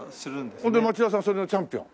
それで町田さんはそれのチャンピオン？